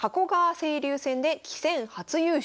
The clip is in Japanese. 青流戦で棋戦初優勝。